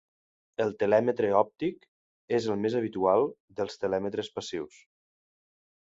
El telèmetre òptic és el més habitual dels telèmetres passius.